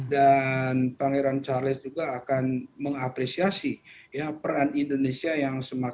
dan pangeran charles juga akan mengapresiasi peran indonesia yang semangat